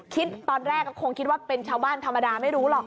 ตอนแรกก็คงคิดว่าเป็นชาวบ้านธรรมดาไม่รู้หรอก